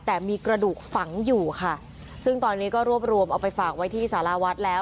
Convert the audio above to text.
แต่มีกระดูกฝังอยู่ค่ะซึ่งตอนนี้ก็รวบรวมเอาไปฝากไว้ที่สารวัฒน์แล้ว